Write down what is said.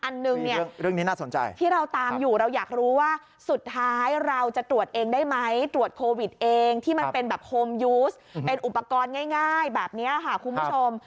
ง่ายแบบนี้คุณผู้ชม